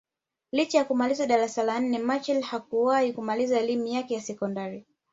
Licha ya kumaliza darasa la nne Machel hakuwahi kumaliza elimu yake ya sekondari